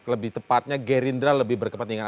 lebih tepatnya gerindra lebih berkepentingan